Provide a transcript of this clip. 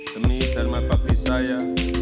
demi darmat bakti saya